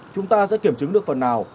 chúng ta sẽ kiểm chứng được phần nào